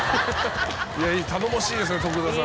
頼もしいですね徳田さん。